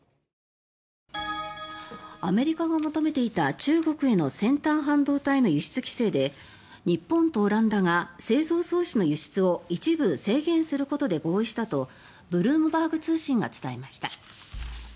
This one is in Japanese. アメリカが求めていた中国への先端半導体の輸出規制で日本とオランダが製造装置の輸出を一部制限することで合意したとブルームバーグ通信が伝えました。